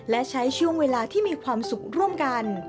และใช้ช่วงเวลาที่มีความสุขร่วมกัน